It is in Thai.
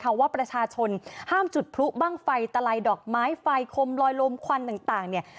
เพราะว่าประชาชนห้ามจุดพลุบ้างไฟตลายดอกไม้ไฟคมลอยลมควันต่างเนี่ย